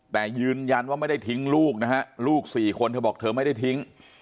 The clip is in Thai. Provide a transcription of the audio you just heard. แต่ยืนยันว่าไม่ได้ทิ้งลูกนะฮะลูก๔คนเธอบอกเธอไม่ได้ทิ้ง